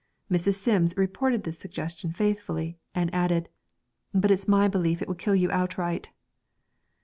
Mrs. Sims reported this suggestion faithfully, and added: 'But it's my belief it would kill you outright.'